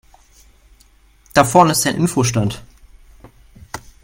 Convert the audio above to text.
Da vorne ist ein Info-Stand.